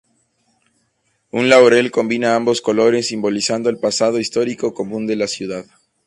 Un laurel combina ambos colores, simbolizando el pasado histórico común de la ciudad.